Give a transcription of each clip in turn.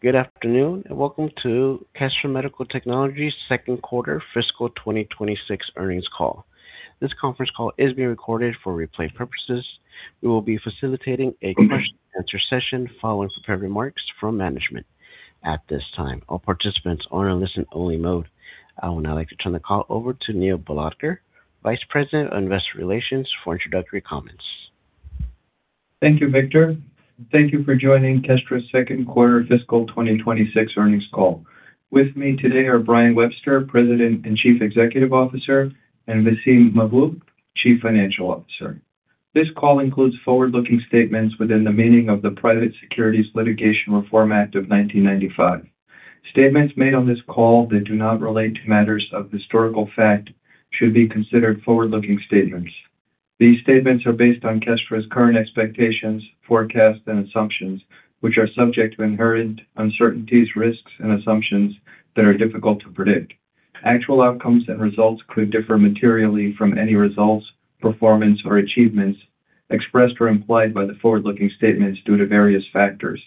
Good afternoon and welcome to Kestra Medical Technologies' second quarter fiscal 2026 earnings call. This conference call is being recorded for replay purposes. We will be facilitating a question-and-answer session following prepared remarks from management. At this time, all participants are on a listen-only mode. I would now like to turn the call over to Neil Bhalodkar, Vice President of Investor Relations, for introductory comments. Thank you, Victor. Thank you for joining Kestra's second quarter fiscal 2026 earnings call. With me today are Brian Webster, President and Chief Executive Officer, and Vaseem Mahboob, Chief Financial Officer. This call includes forward-looking statements within the meaning of the Private Securities Litigation Reform Act of 1995. Statements made on this call that do not relate to matters of historical fact should be considered forward-looking statements. These statements are based on Kestra's current expectations, forecasts, and assumptions, which are subject to inherent uncertainties, risks, and assumptions that are difficult to predict. Actual outcomes and results could differ materially from any results, performance, or achievements expressed or implied by the forward-looking statements due to various factors.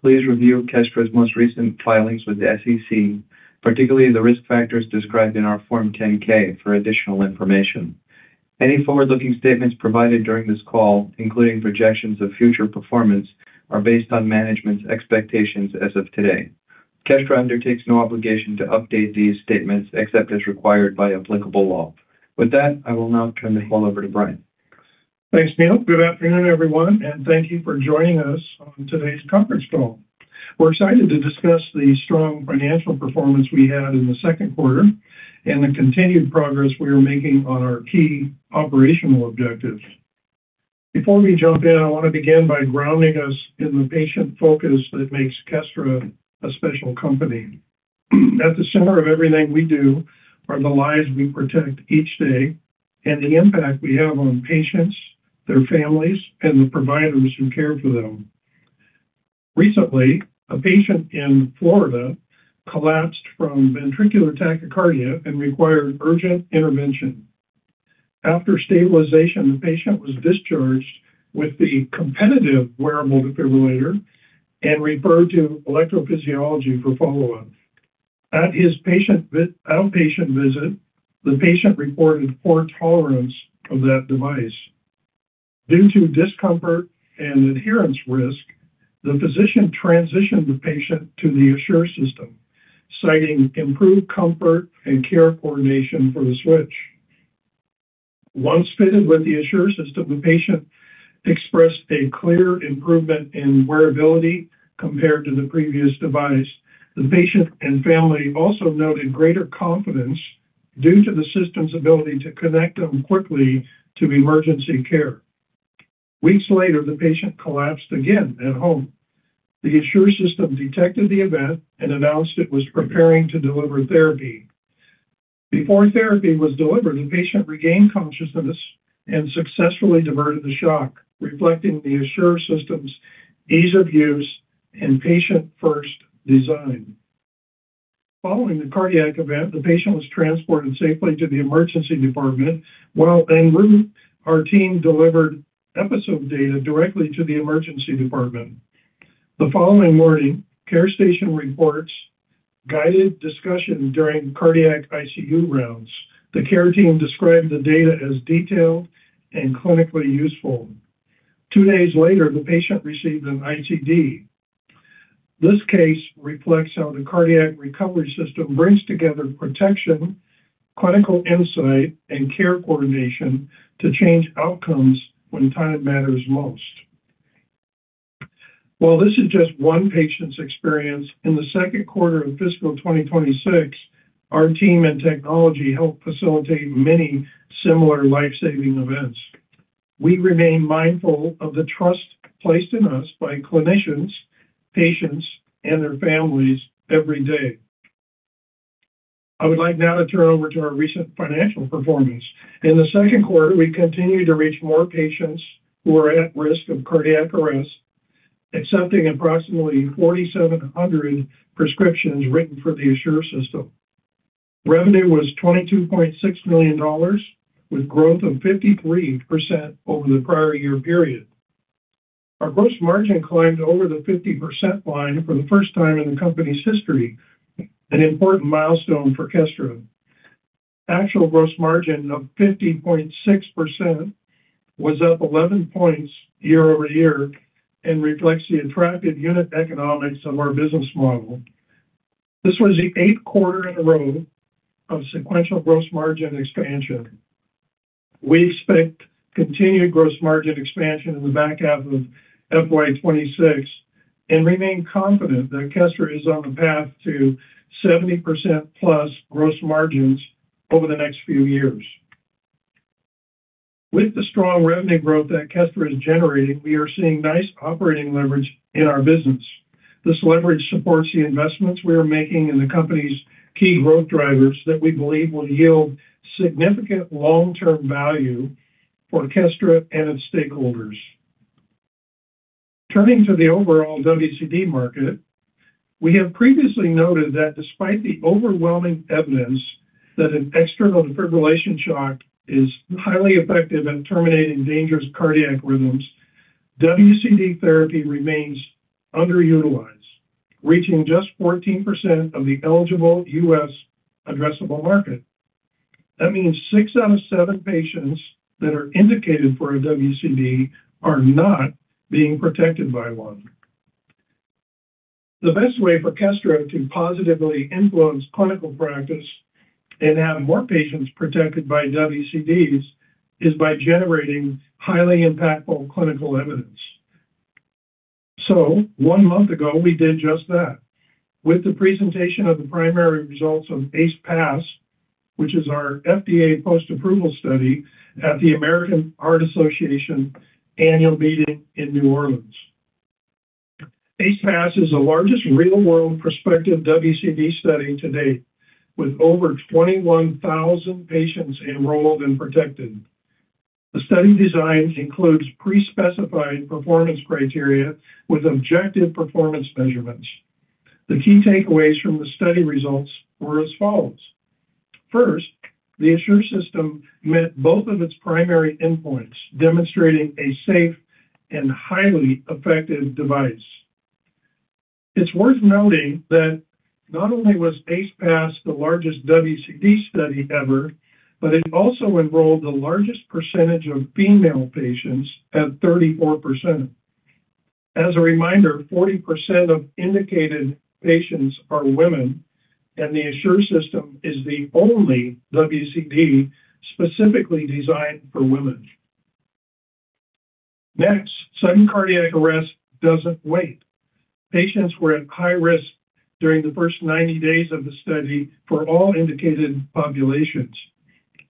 Please review Kestra's most recent filings with the SEC, particularly the risk factors described in our Form 10-K, for additional information. Any forward-looking statements provided during this call, including projections of future performance, are based on management's expectations as of today. Kestra undertakes no obligation to update these statements except as required by applicable law. With that, I will now turn the call over to Brian. Thanks, Neil. Good afternoon, everyone, and thank you for joining us on today's conference call. We're excited to discuss the strong financial performance we had in the second quarter and the continued progress we are making on our key operational objectives. Before we jump in, I want to begin by grounding us in the patient focus that makes Kestra a special company. At the center of everything we do are the lives we protect each day and the impact we have on patients, their families, and the providers who care for them. Recently, a patient in Florida collapsed from ventricular tachycardia and required urgent intervention. After stabilization, the patient was discharged with the competitive wearable defibrillator and referred to electrophysiology for follow-up. At his outpatient visit, the patient reported poor tolerance of that device. Due to discomfort and adherence risk, the physician transitioned the patient to the ASSURE system, citing improved comfort and care coordination for the switch. Once fitted with the ASSURE system, the patient expressed a clear improvement in wearability compared to the previous device. The patient and family also noted greater confidence due to the system's ability to connect them quickly to emergency care. Weeks later, the patient collapsed again at home. The ASSURE system detected the event and announced it was preparing to deliver therapy. Before therapy was delivered, the patient regained consciousness and successfully diverted the shock, reflecting the ASSURE system's ease of use and patient-first design. Following the cardiac event, the patient was transported safely to the emergency department, while en route, our team delivered episode data directly to the emergency department. The following morning, CareStation reports guided discussion during cardiac ICU rounds. The care team described the data as detailed and clinically useful. Two days later, the patient received an ICD. This case reflects how the cardiac recovery system brings together protection, clinical insight, and care coordination to change outcomes when time matters most. While this is just one patient's experience, in the second quarter of fiscal 2026, our team and technology helped facilitate many similar lifesaving events. We remain mindful of the trust placed in us by clinicians, patients, and their families every day. I would like now to turn over to our recent financial performance. In the second quarter, we continued to reach more patients who were at risk of cardiac arrest, accepting approximately 4,700 prescriptions written for the ASSURE system. Revenue was $22.6 million, with growth of 53% over the prior year period. Our gross margin climbed over the 50% line for the first time in the company's history, an important milestone for Kestra. Actual gross margin of 50.6% was up 11 points year over year and reflects the attractive unit economics of our business model. This was the eighth quarter in a row of sequential gross margin expansion. We expect continued gross margin expansion in the back half of FY 2026 and remain confident that Kestra is on the path to 70%+ gross margins over the next few years. With the strong revenue growth that Kestra is generating, we are seeing nice operating leverage in our business model. This leverage supports the investments we are making in the company's key growth drivers that we believe will yield significant long-term value for Kestra and its stakeholders. Turning to the overall WCD market, we have previously noted that despite the overwhelming evidence that an external defibrillation shock is highly effective at terminating dangerous cardiac rhythms, WCD therapy remains underutilized, reaching just 14% of the eligible U.S. addressable market. That means six out of seven patients that are indicated for a WCD are not being protected by one. The best way for Kestra to positively influence clinical practice and have more patients protected by WCDs is by generating highly impactful clinical evidence. So, one month ago, we did just that with the presentation of the primary results of ACE-PAS, which is our FDA post-approval study at the American Heart Association annual meeting in New Orleans. ACE-PAS is the largest real-world prospective WCD study to date, with over 21,000 patients enrolled and protected. The study design includes pre-specified performance criteria with objective performance measurements. The key takeaways from the study results were as follows. First, the ASSURE system met both of its primary endpoints, demonstrating a safe and highly effective device. It's worth noting that not only was ACE-PAS the largest WCD study ever, but it also enrolled the largest percentage of female patients at 34%. As a reminder, 40% of indicated patients are women, and the ASSURE system is the only WCD specifically designed for women. Next, sudden cardiac arrest doesn't wait. Patients were at high risk during the first 90 days of the study for all indicated populations.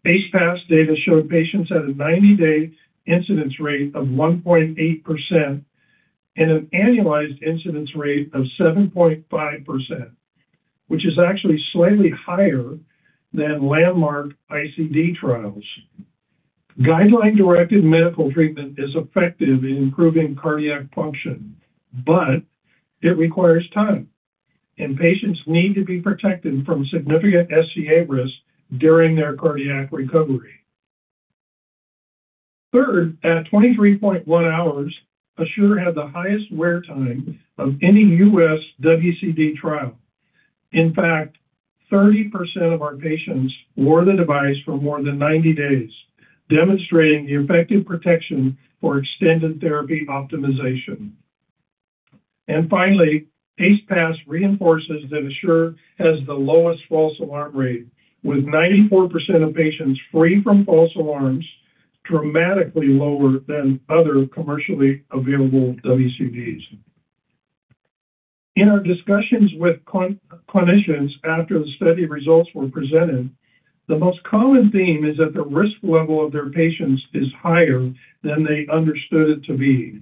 ACE-PAS data showed patients had a 90-day incidence rate of 1.8% and an annualized incidence rate of 7.5%, which is actually slightly higher than landmark ICD trials. Guideline-directed medical treatment is effective in improving cardiac function, but it requires time, and patients need to be protected from significant SCA risk during their cardiac recovery. Third, at 23.1 hours, ASSURE had the highest wear time of any U.S. WCD trial. In fact, 30% of our patients wore the device for more than 90 days, demonstrating the effective protection for extended therapy optimization. And finally, ACE-PAS reinforces that ASSURE has the lowest false alarm rate, with 94% of patients free from false alarms, dramatically lower than other commercially available WCDs. In our discussions with clinicians after the study results were presented, the most common theme is that the risk level of their patients is higher than they understood it to be,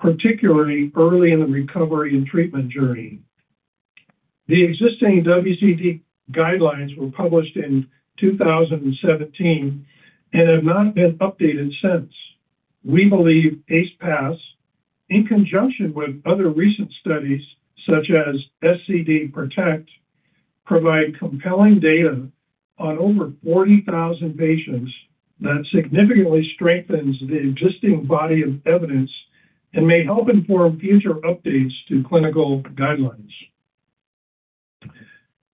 particularly early in the recovery and treatment journey. The existing WCD guidelines were published in 2017 and have not been updated since. We believe ACE-PAS, in conjunction with other recent studies such as SCD-PROTECT, provides compelling data on over 40,000 patients that significantly strengthens the existing body of evidence and may help inform future updates to clinical guidelines.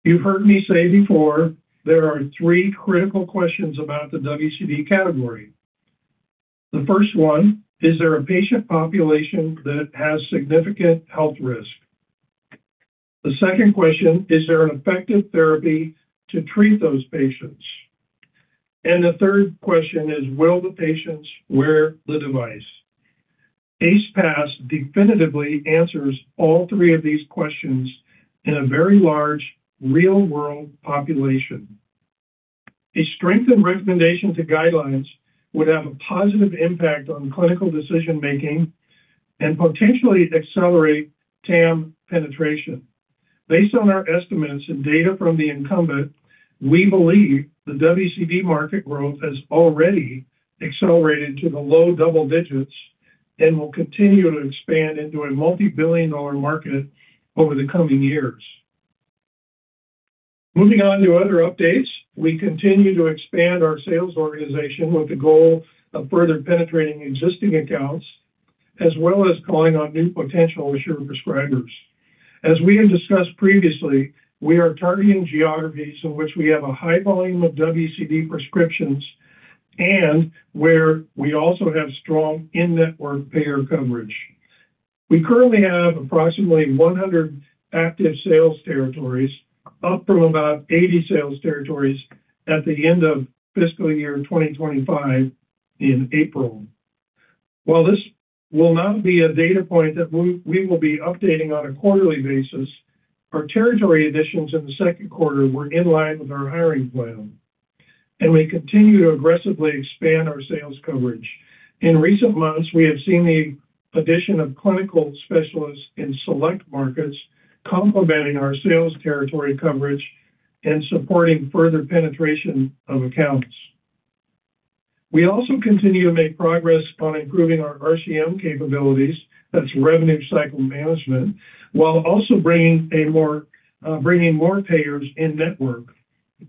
You've heard me say before there are three critical questions about the WCD category. The first one, is there a patient population that has significant health risk? The second question, is there an effective therapy to treat those patients? And the third question is, will the patients wear the device? ACE-PAS definitively answers all three of these questions in a very large real-world population. A strengthened recommendation to guidelines would have a positive impact on clinical decision-making and potentially accelerate TAM penetration. Based on our estimates and data from the incumbent, we believe the WCD market growth has already accelerated to the low double digits and will continue to expand into a multi-billion-dollar market over the coming years. Moving on to other updates, we continue to expand our sales organization with the goal of further penetrating existing accounts, as well as calling on new potential ASSURE prescribers. As we have discussed previously, we are targeting geographies in which we have a high volume of WCD prescriptions and where we also have strong in-network payer coverage. We currently have approximately 100 active sales territories, up from about 80 sales territories at the end of fiscal year 2025 in April. While this will not be a data point that we will be updating on a quarterly basis, our territory additions in the second quarter were in line with our hiring plan, and we continue to aggressively expand our sales coverage. In recent months, we have seen the addition of clinical specialists in select markets complementing our sales territory coverage and supporting further penetration of accounts. We also continue to make progress on improving our RCM capabilities, that's revenue cycle management, while also bringing more payers in network.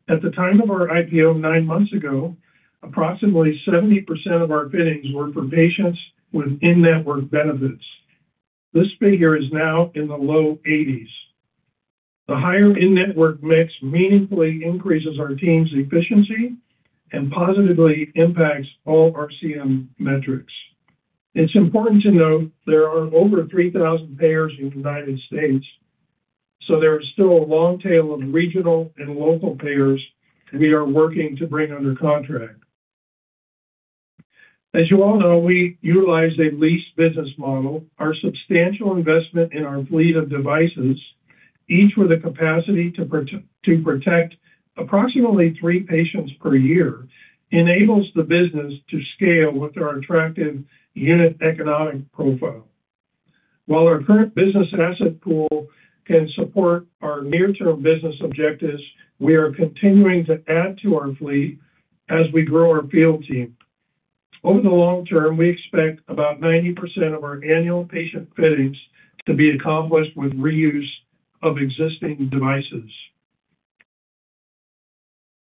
At the time of our IPO nine months ago, approximately 70% of our fittings were for patients with in-network benefits. This figure is now in the low 80s. The higher in-network mix meaningfully increases our team's efficiency and positively impacts all RCM metrics. It's important to note there are over 3,000 payers in the United States, so there is still a long tail of regional and local payers we are working to bring under contract. As you all know, we utilize a leased business model. Our substantial investment in our fleet of devices, each with a capacity to protect approximately three patients per year, enables the business to scale with our attractive unit economic profile. While our current business asset pool can support our near-term business objectives, we are continuing to add to our fleet as we grow our field team. Over the long term, we expect about 90% of our annual patient fittings to be accomplished with reuse of existing devices.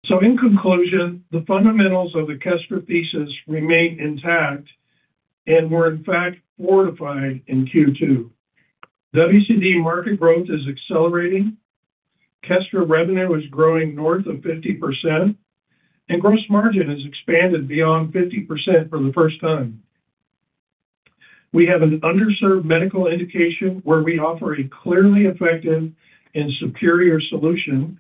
So, in conclusion, the fundamentals of the Kestra thesis remain intact and were, in fact, fortified in Q2. WCD market growth is accelerating. Kestra revenue is growing north of 50%, and gross margin has expanded beyond 50% for the first time. We have an underserved medical indication where we offer a clearly effective and superior solution.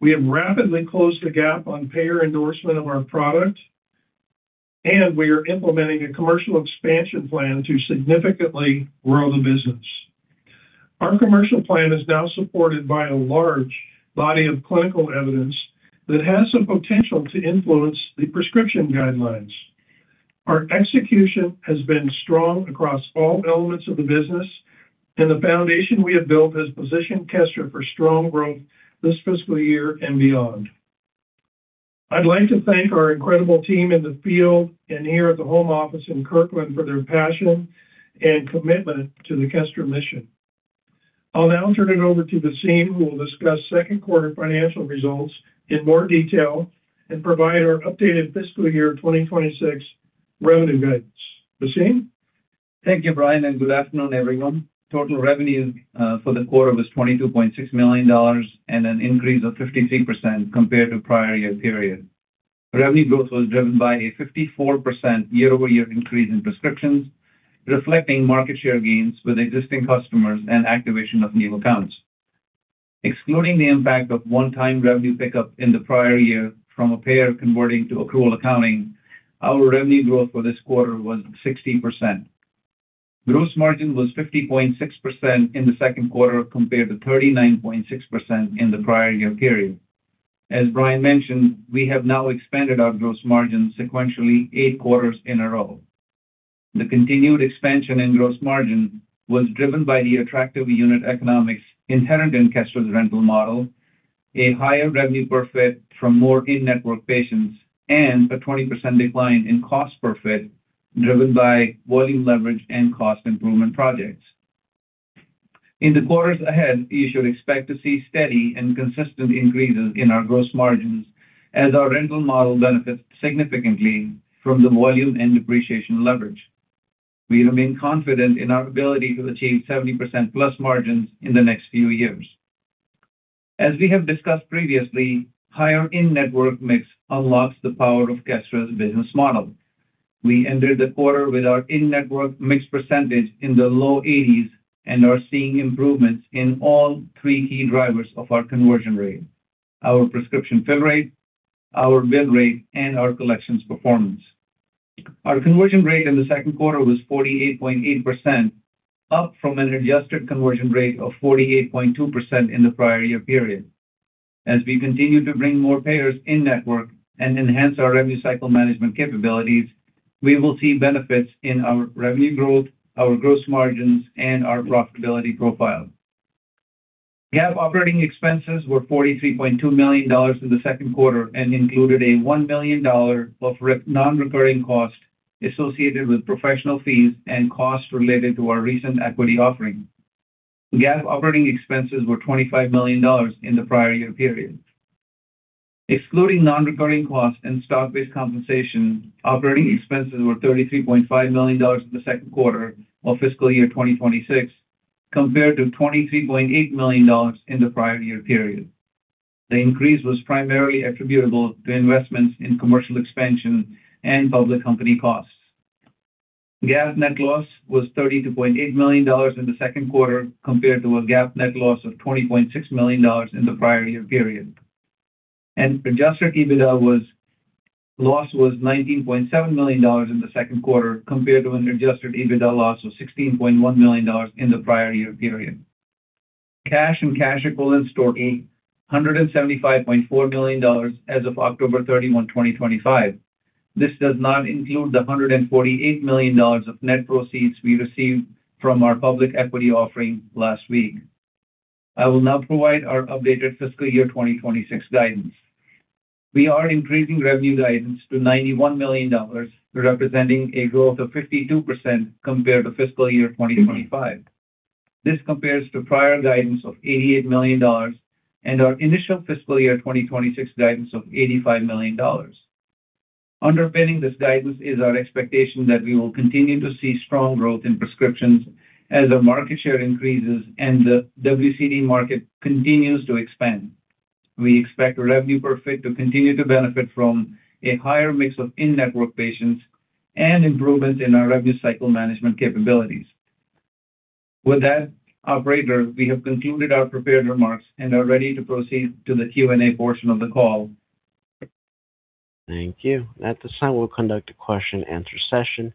We have rapidly closed the gap on payer endorsement of our product, and we are implementing a commercial expansion plan to significantly grow the business. Our commercial plan is now supported by a large body of clinical evidence that has the potential to influence the prescription guidelines. Our execution has been strong across all elements of the business, and the foundation we have built has positioned Kestra for strong growth this fiscal year and beyond. I'd like to thank our incredible team in the field and here at the home office in Kirkland for their passion and commitment to the Kestra mission. I'll now turn it over to Vaseem, who will discuss second quarter financial results in more detail and provide our updated fiscal year 2026 revenue guidance. Vaseem? Thank you, Brian, and good afternoon, everyone. Total revenue for the quarter was $22.6 million and an increase of 53% compared to prior year period. Revenue growth was driven by a 54% year-over-year increase in prescriptions, reflecting market share gains with existing customers and activation of new accounts. Excluding the impact of one-time revenue pickup in the prior year from a payer converting to accrual accounting, our revenue growth for this quarter was 60%. Gross margin was 50.6% in the second quarter compared to 39.6% in the prior year period. As Brian mentioned, we have now expanded our gross margin sequentially eight quarters in a row. The continued expansion in gross margin was driven by the attractive unit economics inherent in Kestra's rental model, a higher revenue per fit from more in-network patients, and a 20% decline in cost per fit driven by volume leverage and cost improvement projects. In the quarters ahead, you should expect to see steady and consistent increases in our gross margins as our rental model benefits significantly from the volume and depreciation leverage. We remain confident in our ability to achieve 70%+ margins in the next few years. As we have discussed previously, higher in-network mix unlocks the power of Kestra's business model. We entered the quarter with our in-network mix percentage in the low 80s and are seeing improvements in all three key drivers of our conversion rate: our prescription fill rate, our bid rate, and our collections performance. Our conversion rate in the second quarter was 48.8%, up from an adjusted conversion rate of 48.2% in the prior year period. As we continue to bring more payers in network and enhance our revenue cycle management capabilities, we will see benefits in our revenue growth, our gross margins, and our profitability profile. GAAP operating expenses were $43.2 million in the second quarter and included a $1 million of non-recurring cost associated with professional fees and costs related to our recent equity offering. GAAP operating expenses were $25 million in the prior year period. Excluding non-recurring costs and stock-based compensation, operating expenses were $33.5 million in the second quarter of fiscal year 2026, compared to $23.8 million in the prior year period. The increase was primarily attributable to investments in commercial expansion and public company costs. GAAP net loss was $32.8 million in the second quarter, compared to a GAAP net loss of $20.6 million in the prior year period, and Adjusted EBITDA loss was $19.7 million in the second quarter, compared to an Adjusted EBITDA loss of $16.1 million in the prior year period. Cash and cash equivalents total $175.4 million as of October 31, 2025. This does not include the $148 million of net proceeds we received from our public equity offering last week. I will now provide our updated fiscal year 2026 guidance. We are increasing revenue guidance to $91 million, representing a growth of 52% compared to fiscal year 2025. This compares to prior guidance of $88 million and our initial fiscal year 2026 guidance of $85 million. Underpinning this guidance is our expectation that we will continue to see strong growth in prescriptions as our market share increases and the WCD market continues to expand. We expect revenue per fit to continue to benefit from a higher mix of in-network patients and improvements in our revenue cycle management capabilities. With that, operator, we have concluded our prepared remarks and are ready to proceed to the Q&A portion of the call. Thank you. At this time, we'll conduct a question-and-answer session.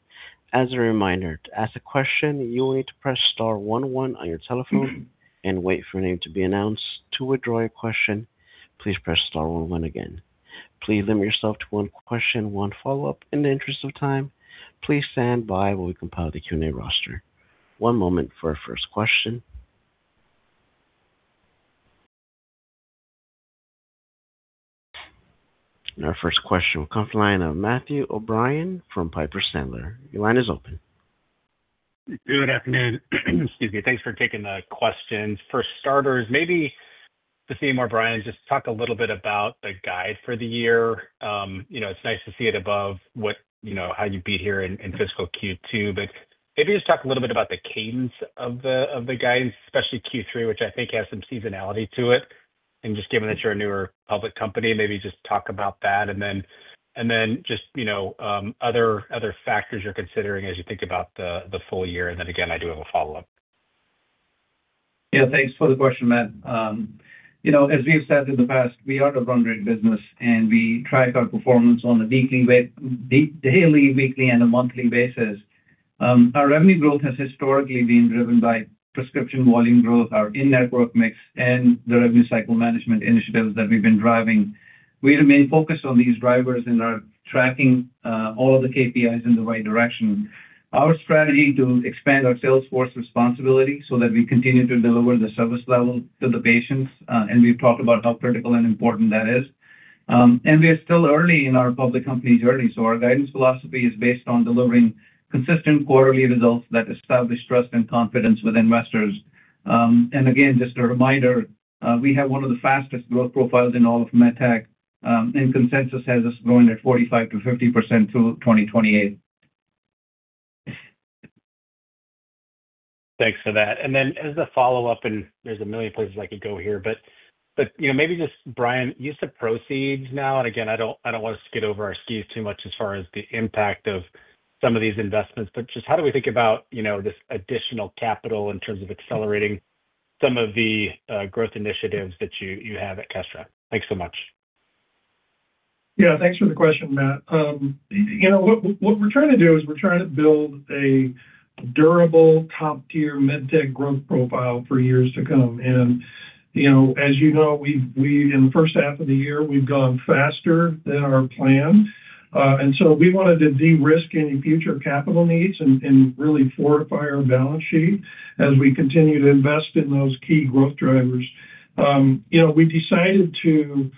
As a reminder, to ask a question, you will need to press star one one on your telephone and wait for a name to be announced. To withdraw your question, please press star one one again. Please limit yourself to one question, one follow-up. In the interest of time, please stand by while we compile the Q&A roster. One moment for our first question. And our first question will come from the line of Matthew O'Brien from Piper Sandler. Your line is open. Good afternoon. Excuse me. Thanks for taking the question. For starters, maybe Vaseem or Brian, just talk a little bit about the guide for the year. It's nice to see it above how you beat here in fiscal Q2, but maybe just talk a little bit about the cadence of the guidance, especially Q3, which I think has some seasonality to it. And just given that you're a newer public company, maybe just talk about that and then just other factors you're considering as you think about the full year. And then again, I do have a follow-up. Yeah, thanks for the question, Matt. As we've said in the past, we are a run-rate business, and we track our performance on a daily, weekly, and a monthly basis. Our revenue growth has historically been driven by prescription volume growth, our in-network mix, and the revenue cycle management initiatives that we've been driving. We remain focused on these drivers and are tracking all of the KPIs in the right direction. Our strategy is to expand our sales force responsibility so that we continue to deliver the service level to the patients, and we've talked about how critical and important that is. And we are still early in our public company journey, so our guidance philosophy is based on delivering consistent quarterly results that establish trust and confidence with investors. And again, just a reminder, we have one of the fastest growth profiles in all of MedTech, and consensus has us growing at 45%-50% through 2028. Thanks for that. And then as a follow-up, and there's a million places I could go here, but maybe just, Brian, use of proceeds now. And again, I don't want us to get over our skis too much as far as the impact of some of these investments, but just how do we think about this additional capital in terms of accelerating some of the growth initiatives that you have at Kestra? Thanks so much. Yeah, thanks for the question, Matt. What we're trying to do is we're trying to build a durable top-tier MedTech growth profile for years to come. And as you know, in the first half of the year, we've gone faster than our plan. And so we wanted to de-risk any future capital needs and really fortify our balance sheet as we continue to invest in those key growth drivers. We decided to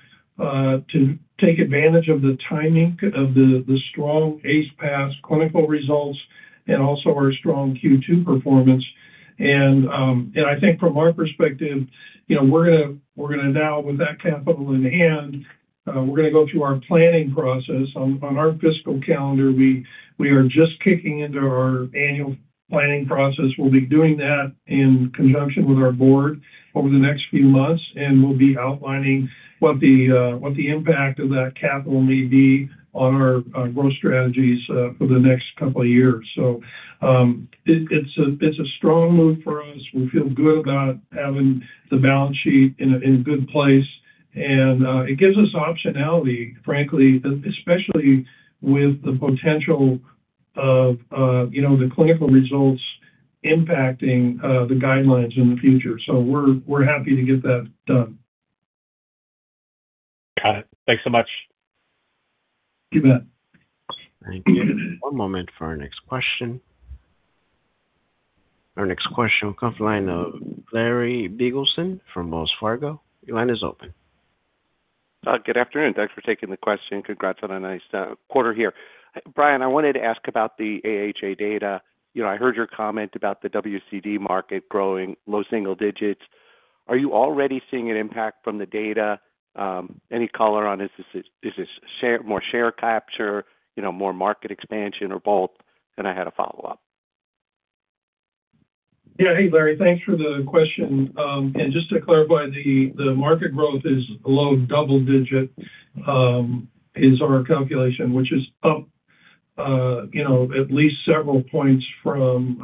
take advantage of the timing of the strong ACE-PAS clinical results, and also our strong Q2 performance, and I think from our perspective, we're going to now, with that capital in hand, we're going to go through our planning process. On our fiscal calendar, we are just kicking into our annual planning process. We'll be doing that in conjunction with our board over the next few months, and we'll be outlining what the impact of that capital may be on our growth strategies for the next couple of years. So it's a strong move for us. We feel good about having the balance sheet in a good place, and it gives us optionality, frankly, especially with the potential of the clinical results impacting the guidelines in the future. So we're happy to get that done. Got it. Thanks so much. You bet. Thank you. One moment for our next question. Our next question will come from the line of Larry Biegelsen from Wells Fargo. Your line is open. Good afternoon. Thanks for taking the question. Congrats on a nice quarter here. Brian, I wanted to ask about the AHA data. I heard your comment about the WCD market growing, low single digits. Are you already seeing an impact from the data? Any color on is this more share capture, more market expansion, or both? And I had a follow-up. Yeah. Hey, Larry. Thanks for the question, and just to clarify, the market growth is low double-digit is our calculation, which is up at least several points from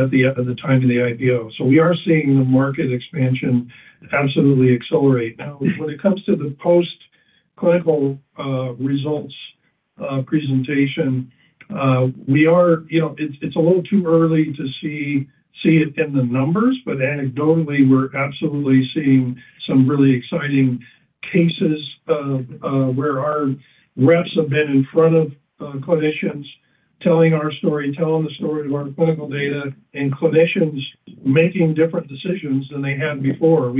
at the time of the IPO. So we are seeing the market expansion absolutely accelerate. Now, when it comes to the post-clinical results presentation, we're, it's a little too early to see it in the numbers, but anecdotally, we're absolutely seeing some really exciting cases where our reps have been in front of clinicians telling our story, telling the story of our clinical data, and clinicians making different decisions than they had before.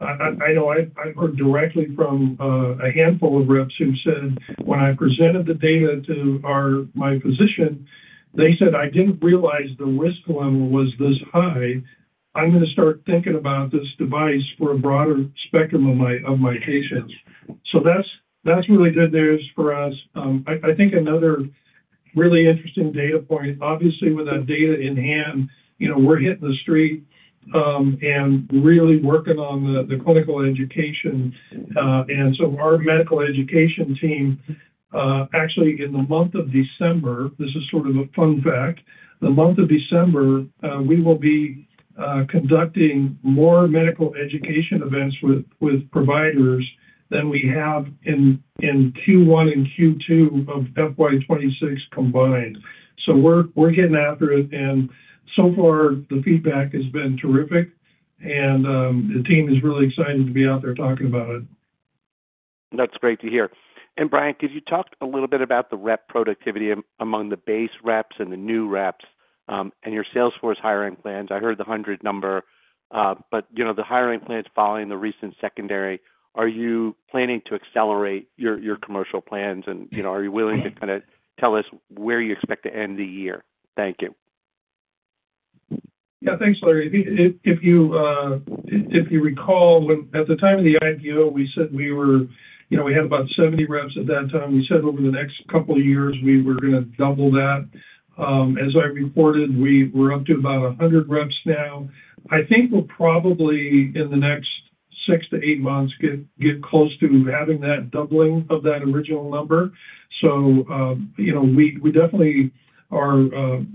I know I've heard directly from a handful of reps who said, "When I presented the data to my physician, they said, 'I didn't realize the risk level was this high. I'm going to start thinking about this device for a broader spectrum of my patients.'" So that's really good news for us. I think another really interesting data point, obviously, with that data in hand, we're hitting the street and really working on the clinical education. And so our medical education team, actually, in the month of December, this is sort of a fun fact, the month of December, we will be conducting more medical education events with providers than we have in Q1 and Q2 of FY 2026 combined. So we're getting after it. And so far, the feedback has been terrific, and the team is really excited to be out there talking about it. That's great to hear. And Brian, could you talk a little bit about the rep productivity among the base reps and the new reps and your sales force hiring plans? I heard the hundred number, but the hiring plans following the recent secondary, are you planning to accelerate your commercial plans? And are you willing to kind of tell us where you expect to end the year? Thank you. Yeah. Thanks, Larry. If you recall, at the time of the IPO, we said we had about 70 reps at that time. We said over the next couple of years, we were going to double that. As I reported, we're up to about 100 reps now. I think we'll probably, in the next six to eight months, get close to having that doubling of that original number. So we definitely are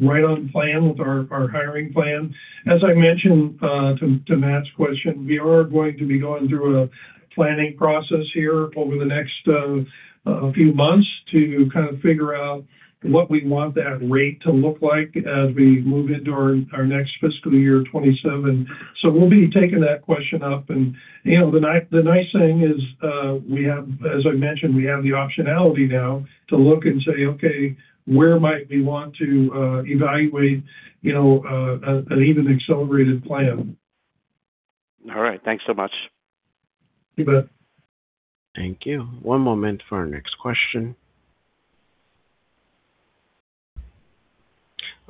right on plan with our hiring plan. As I mentioned to Matt's question, we are going to be going through a planning process here over the next few months to kind of figure out what we want that rate to look like as we move into our next fiscal year, 2027. So we'll be taking that question up. And the nice thing is, as I mentioned, we have the optionality now to look and say, "Okay, where might we want to evaluate an even accelerated plan?" All right. Thanks so much. You bet. Thank you. One moment for our next question.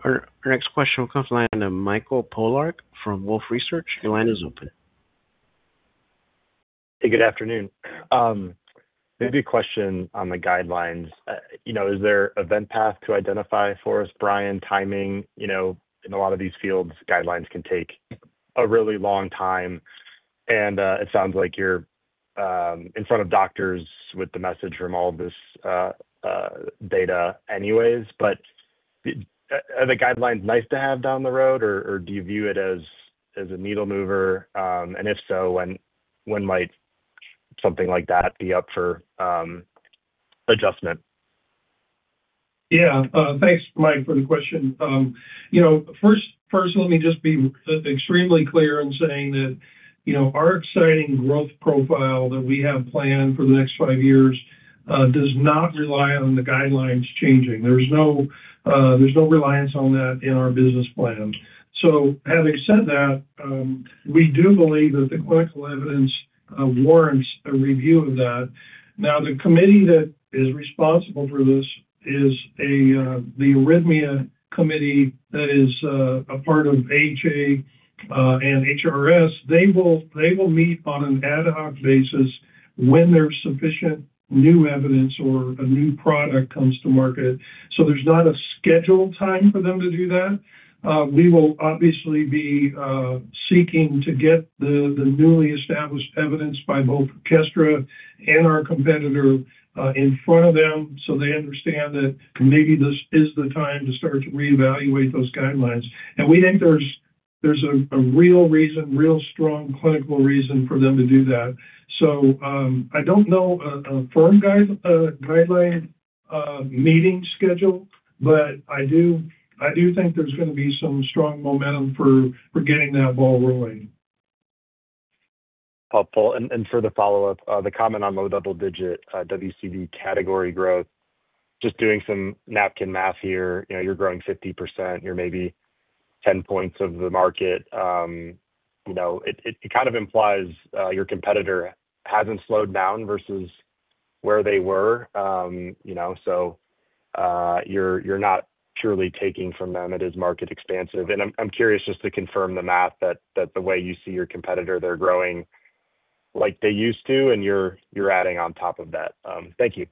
Our next question will come from the line of Michael Polark from Wolfe Research. Your line is open. Hey, good afternoon. Maybe a question on the guidelines. Is there a path to identify for us? Brian. Timing in a lot of these fields, guidelines can take a really long time. And it sounds like you're in front of doctors with the message from all this data anyways. But are the guidelines nice to have down the road, or do you view it as a needle mover? And if so, when might something like that be up for adjustment? Yeah. Thanks, Mike, for the question. First, let me just be extremely clear in saying that our exciting growth profile that we have planned for the next five years does not rely on the guidelines changing. There's no reliance on that in our business plan. So having said that, we do believe that the clinical evidence warrants a review of that. Now, the committee that is responsible for this is the Arrhythmia Committee that is a part of AHA and HRS. They will meet on an ad hoc basis when there's sufficient new evidence or a new product comes to market. So there's not a scheduled time for them to do that. We will obviously be seeking to get the newly established evidence by both Kestra and our competitor in front of them so they understand that maybe this is the time to start to reevaluate those guidelines. We think there's a real reason, real strong clinical reason for them to do that. So I don't know a firm guideline meeting schedule, but I do think there's going to be some strong momentum for getting that ball rolling. Helpful. And for the follow-up, the comment on low double-digit WCD category growth, just doing some napkin math here, you're growing 50%. You're maybe 10 points of the market. It kind of implies your competitor hasn't slowed down versus where they were. So you're not purely taking from them. It is market expansive. And I'm curious just to confirm the math that the way you see your competitor, they're growing like they used to, and you're adding on top of that. Thank you.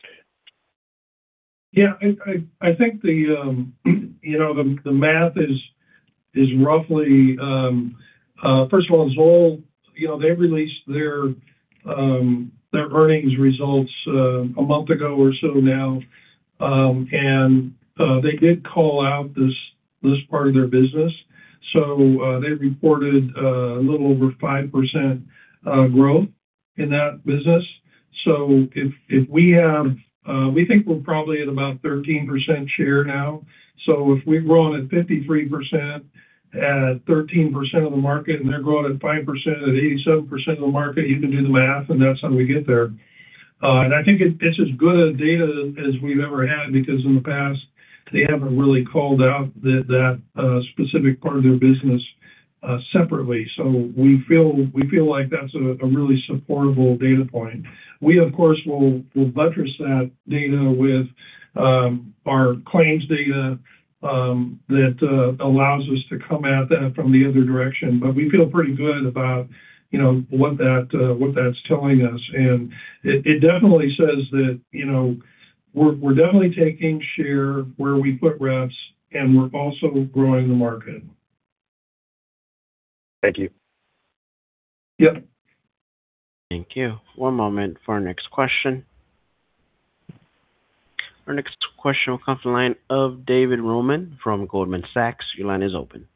Yeah. I think the math is roughly, first of all, they released their earnings results a month ago or so now, and they did call out this part of their business. So they reported a little over 5% growth in that business. So we think we're probably at about 13% share now. So if we're growing at 53% at 13% of the market, and they're growing at 5% at 87% of the market, you can do the math, and that's how we get there. And I think it's as good a data as we've ever had because in the past, they haven't really called out that specific part of their business separately. So we feel like that's a really supportable data point. We, of course, will buttress that data with our claims data that allows us to come at that from the other direction. But we feel pretty good about what that's telling us. And it definitely says that we're definitely taking share where we put reps, and we're also growing the market. Thank you. Yep. Thank you. One moment for our next question. Our next question will come from the line of David Roman from Goldman Sachs. Your line is open.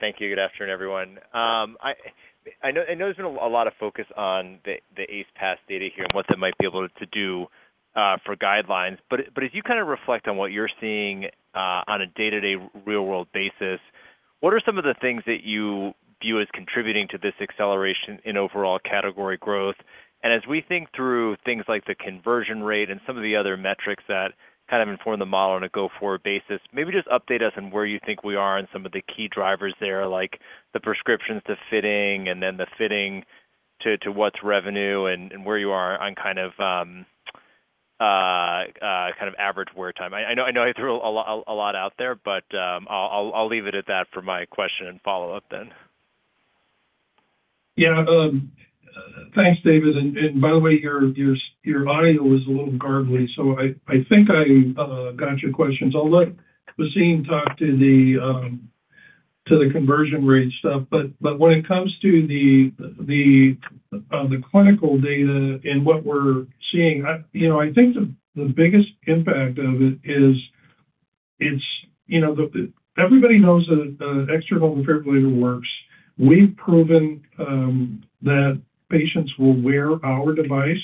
Thank you. Good afternoon, everyone. I know there's been a lot of focus on the ACE-PAS data here and what they might be able to do for guidelines. But as you kind of reflect on what you're seeing on a day-to-day real-world basis, what are some of the things that you view as contributing to this acceleration in overall category growth? As we think through things like the conversion rate and some of the other metrics that kind of inform the model on a go-forward basis, maybe just update us on where you think we are and some of the key drivers there, like the prescriptions to fitting and then the fitting to what's revenue and where you are on kind of average wear time. I know I threw a lot out there, but I'll leave it at that for my question and follow-up then. Yeah. Thanks, David. By the way, your audio was a little garbled, so I think I got your questions. I'll let Vaseem talk to the conversion rate stuff. When it comes to the clinical data and what we're seeing, I think the biggest impact of it is everybody knows that external defibrillator works. We've proven that patients will wear our device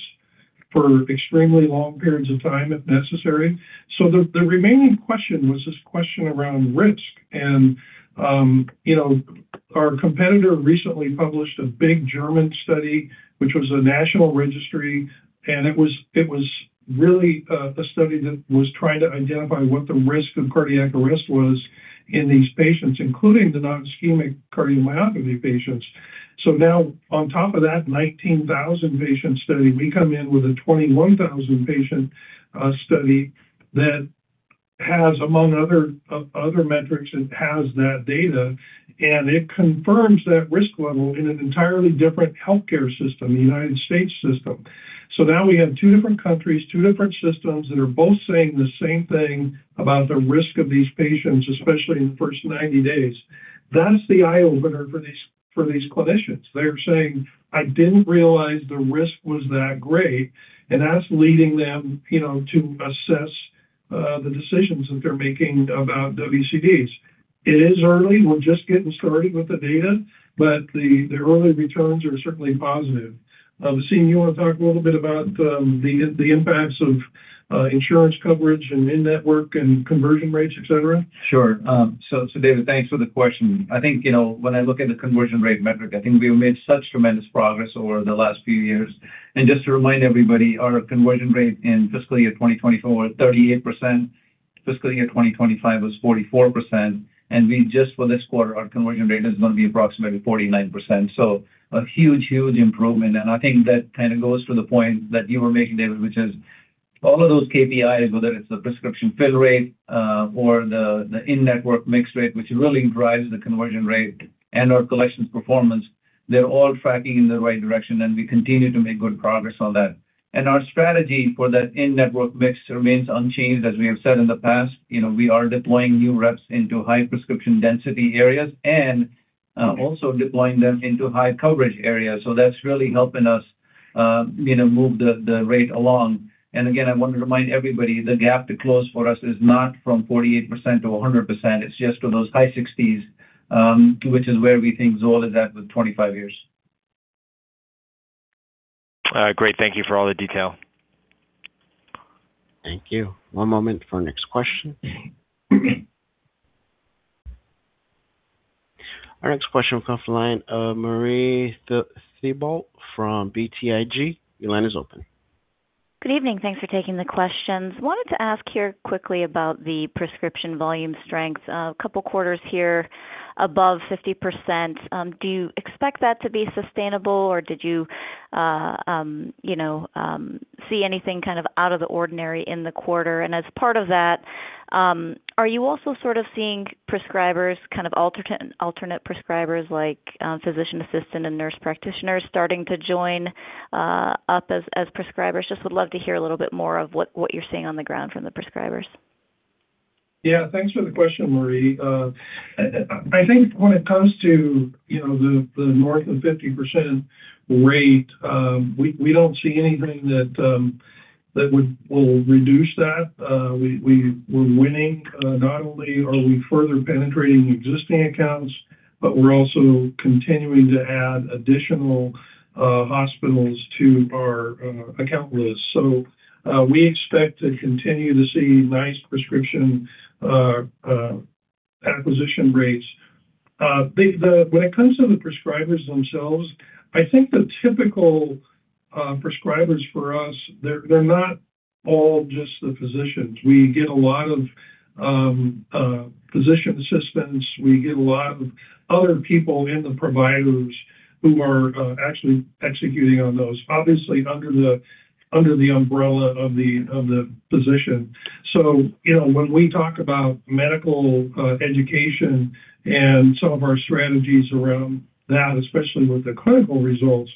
for extremely long periods of time if necessary. So the remaining question was this question around risk. And our competitor recently published a big German study, which was a national registry. And it was really a study that was trying to identify what the risk of cardiac arrest was in these patients, including the nonischemic cardiomyopathy patients. So now, on top of that 19,000-patient study, we come in with a 21,000-patient study that has, among other metrics, it has that data. And it confirms that risk level in an entirely different healthcare system, the United States system. So now we have two different countries, two different systems that are both saying the same thing about the risk of these patients, especially in the first 90 days. That's the eye-opener for these clinicians. They're saying, "I didn't realize the risk was that great." And that's leading them to assess the decisions that they're making about WCDs. It is early. We're just getting started with the data, but the early returns are certainly positive. Vaseem, you want to talk a little bit about the impacts of insurance coverage and in-network and conversion rates, etc.? Sure. So, David, thanks for the question. I think when I look at the conversion rate metric, I think we have made such tremendous progress over the last few years. And just to remind everybody, our conversion rate in fiscal year 2024 was 38%. Fiscal year 2025 was 44%. And just for this quarter, our conversion rate is going to be approximately 49%. So a huge, huge improvement. And I think that kind of goes to the point that you were making, David, which is all of those KPIs, whether it's the prescription fill rate or the in-network mix rate, which really drives the conversion rate and our collections performance, they're all tracking in the right direction. And we continue to make good progress on that. And our strategy for that in-network mix remains unchanged, as we have said in the past. We are deploying new reps into high prescription density areas and also deploying them into high coverage areas. So that's really helping us move the rate along. And again, I want to remind everybody, the gap to close for us is not from 48% to 100%. It's just to those high 60s, which is where we think ZOLL is at with 25 years. Great. Thank you for all the detail. Thank you. One moment for our next question. Our next question will come from the line of Marie Thibault from BTIG. Your line is open. Good evening. Thanks for taking the questions. Wanted to ask here quickly about the prescription volume strength. A couple of quarters here above 50%. Do you expect that to be sustainable, or did you see anything kind of out of the ordinary in the quarter? And as part of that, are you also sort of seeing prescribers, kind of alternate prescribers like physician assistant and nurse practitioners starting to join up as prescribers? Just would love to hear a little bit more of what you're seeing on the ground from the prescribers. Yeah. Thanks for the question, Marie. I think when it comes to the north of 50% rate, we don't see anything that will reduce that. We're winning. Not only are we further penetrating existing accounts, but we're also continuing to add additional hospitals to our account list. So we expect to continue to see nice prescription acquisition rates. When it comes to the prescribers themselves, I think the typical prescribers for us, they're not all just the physicians. We get a lot of physician assistants. We get a lot of other people in the providers who are actually executing on those, obviously under the umbrella of the physician. So when we talk about medical education and some of our strategies around that, especially with the clinical results,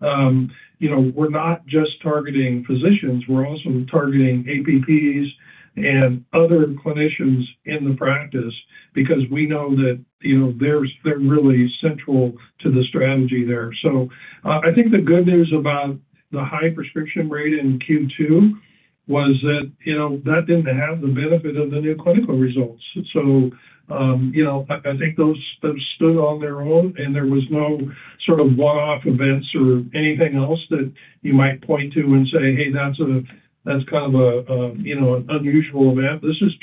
we're not just targeting physicians. We're also targeting APPs and other clinicians in the practice because we know that they're really central to the strategy there. I think the good news about the high prescription rate in Q2 was that that didn't have the benefit of the new clinical results. So I think those stood on their own, and there was no sort of one-off events or anything else that you might point to and say, "Hey, that's kind of an unusual event." This is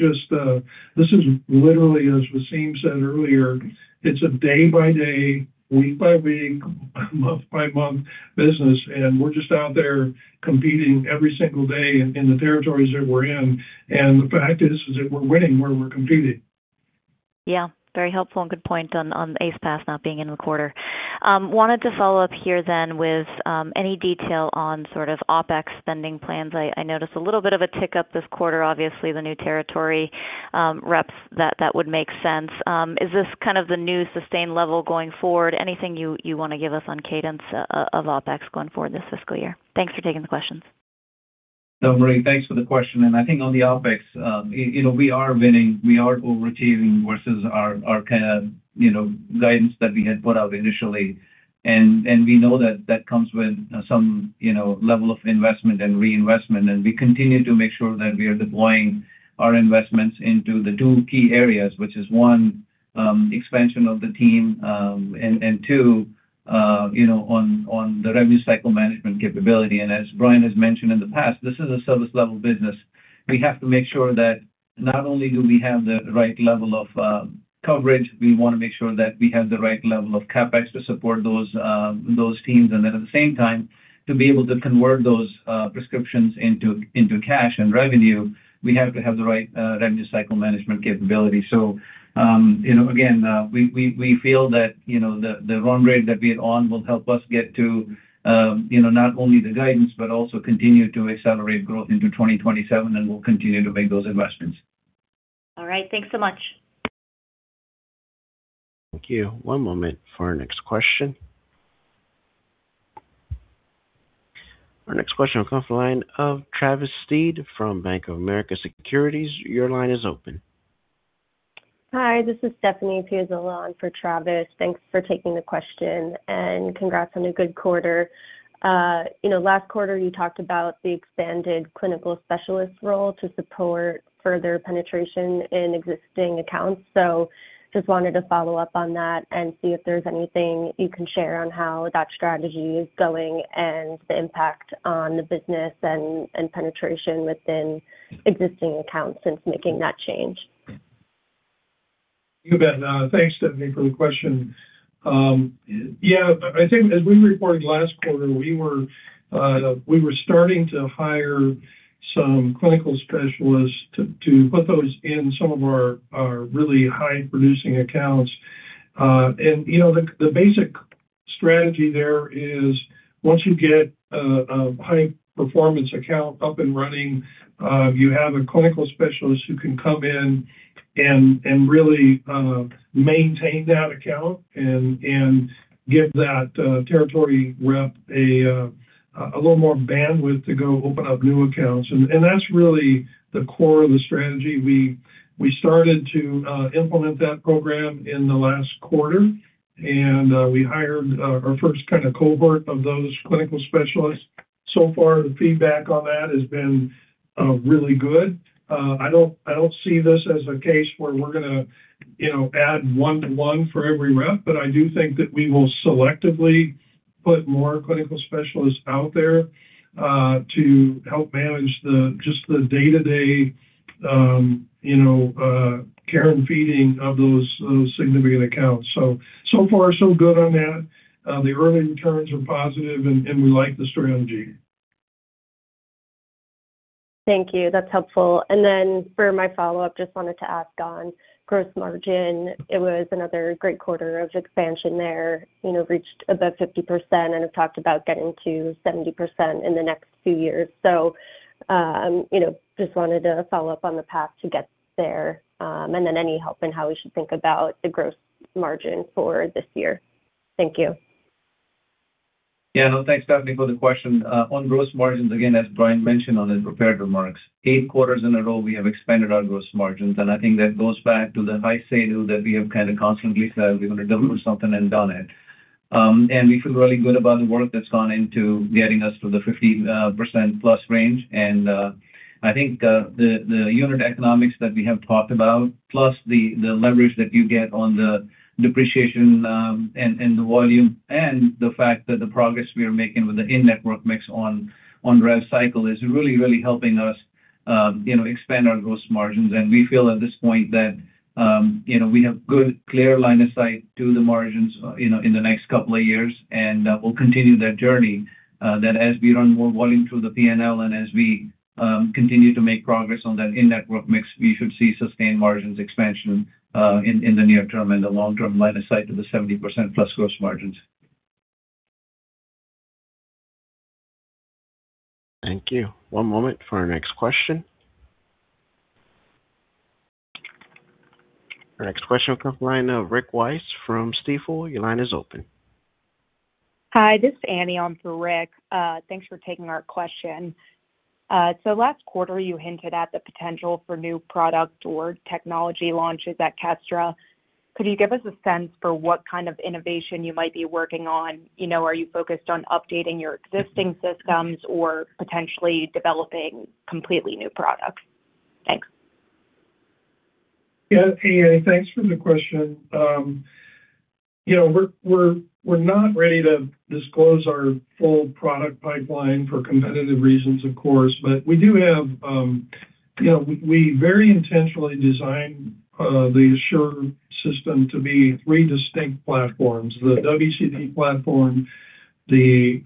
literally, as Vaseem said earlier, it's a day-by-day, week-by-week, month-by-month business. And we're just out there competing every single day in the territories that we're in. And the fact is that we're winning where we're competing. Yeah. Very helpful and good point on ACE-PAS not being in the quarter. Wanted to follow up here then with any detail on sort of OpEx spending plans. I noticed a little bit of a tick up this quarter, obviously, the new territory reps. That would make sense. Is this kind of the new sustained level going forward? Anything you want to give us on cadence of OpEx going forward this fiscal year? Thanks for taking the questions. No, Marie, thanks for the question. And I think on the OpEx, we are winning. We are overachieving versus our kind of guidance that we had put out initially. And we know that that comes with some level of investment and reinvestment. And we continue to make sure that we are deploying our investments into the two key areas, which is one, expansion of the team, and two, on the revenue cycle management capability. And as Brian has mentioned in the past, this is a service-level business. We have to make sure that not only do we have the right level of coverage, we want to make sure that we have the right level of CapEx to support those teams. And then at the same time, to be able to convert those prescriptions into cash and revenue, we have to have the right revenue cycle management capability. So again, we feel that the run rate that we're on will help us get to not only the guidance, but also continue to accelerate growth into 2027, and we'll continue to make those investments. All right. Thanks so much. Thank you. One moment for our next question. Our next question will come from the line of Travis Steed from Bank of America Securities. Your line is open. Hi. This is Stephanie Piazzola for Travis. Thanks for taking the question. And congrats on a good quarter. Last quarter, you talked about the expanded clinical specialist role to support further penetration in existing accounts. So just wanted to follow up on that and see if there's anything you can share on how that strategy is going and the impact on the business and penetration within existing accounts since making that change. You bet. Thanks, Stephanie, for the question. Yeah. I think as we reported last quarter, we were starting to hire some clinical specialists to put those in some of our really high-producing accounts. And the basic strategy there is once you get a high-performance account up and running, you have a clinical specialist who can come in and really maintain that account and give that territory rep a little more bandwidth to go open up new accounts. And that's really the core of the strategy. We started to implement that program in the last quarter, and we hired our first kind of cohort of those clinical specialists. So far, the feedback on that has been really good. I don't see this as a case where we're going to add one-to-one for every rep, but I do think that we will selectively put more clinical specialists out there to help manage just the day-to-day care and feeding of those significant accounts. So far, so good on that. The early returns are positive, and we like the strategy. Thank you. That's helpful. And then for my follow-up, just wanted to ask on gross margin. It was another great quarter of expansion there. Reached above 50% and have talked about getting to 70% in the next few years. So just wanted to follow up on the path to get there. And then any help in how we should think about the gross margin for this year. Thank you. Yeah. Thanks, Stephanie, for the question. On gross margins, again, as Brian mentioned on his prepared remarks, eight quarters in a row, we have expanded our gross margins. And I think that goes back to the high scale that we have kind of constantly said, "We're going to deliver something and done it." And we feel really good about the work that's gone into getting us to the 50%+ range. And I think the unit economics that we have talked about, plus the leverage that you get on the depreciation and the volume, and the fact that the progress we are making with the in-network mix on rev cycle is really, really helping us expand our gross margins. And we feel at this point that we have good, clear line of sight to the margins in the next couple of years. And we'll continue that journey. That as we run more volume through the P&L and as we continue to make progress on that in-network mix, we should see sustained margins expansion in the near term and the long-term line of sight to the 70%+ gross margins. Thank you. One moment for our next question. Our next question will come from the line of Rick Wise from Stifel. Your line is open. Hi. This is Annie. I'm for Rick. Thanks for taking our question. So last quarter, you hinted at the potential for new product or technology launches at Kestra. Could you give us a sense for what kind of innovation you might be working on? Are you focused on updating your existing systems or potentially developing completely new products? Thanks. Yeah. Hey, Annie, thanks for the question. We're not ready to disclose our full product pipeline for competitive reasons, of course, but we do have very intentionally designed the ASSURE system to be three distinct platforms: the WCD platform, the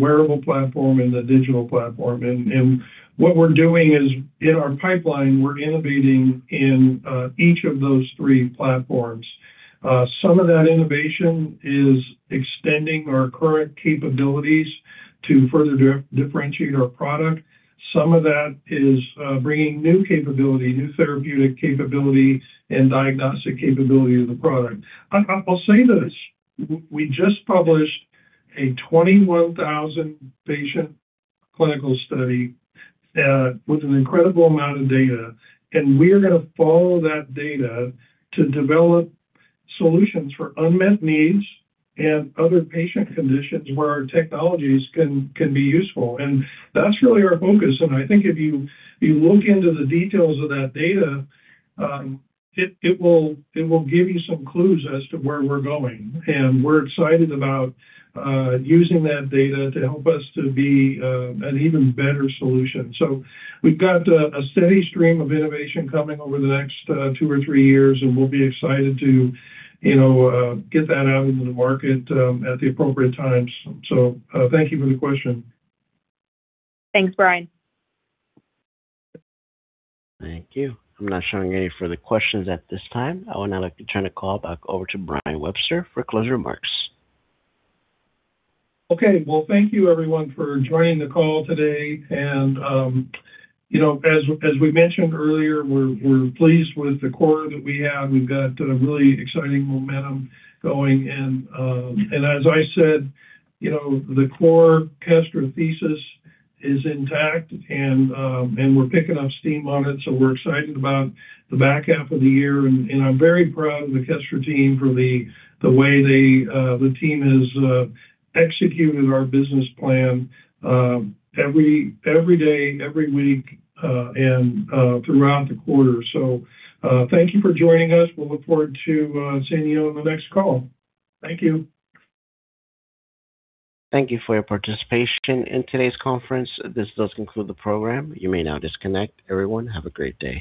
wearable platform, and the digital platform, and what we're doing is in our pipeline, we're innovating in each of those three platforms. Some of that innovation is extending our current capabilities to further differentiate our product. Some of that is bringing new capability, new therapeutic capability, and diagnostic capability to the product. I'll say this. We just published a 21,000-patient clinical study with an incredible amount of data, and we are going to follow that data to develop solutions for unmet needs and other patient conditions where our technologies can be useful, and that's really our focus. And I think if you look into the details of that data, it will give you some clues as to where we're going. And we're excited about using that data to help us to be an even better solution. So we've got a steady stream of innovation coming over the next two or three years, and we'll be excited to get that out into the market at the appropriate times. So thank you for the question. Thanks, Brian. Thank you. I'm not showing any further questions at this time. I would now like to turn the call back over to Brian Webster for closing remarks. Okay. Well, thank you, everyone, for joining the call today. And as we mentioned earlier, we're pleased with the quarter that we have. We've got a really exciting momentum going. And as I said, the core Kestra thesis is intact, and we're picking up steam on it. So we're excited about the back half of the year. And I'm very proud of the Kestra team for the way the team has executed our business plan every day, every week, and throughout the quarter. So thank you for joining us. We'll look forward to seeing you on the next call. Thank you. Thank you for your participation in today's conference. This does conclude the program. You may now disconnect. Everyone, have a great day.